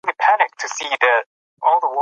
موږ باید د خپلو ژویو د نسل ساتنه وکړو.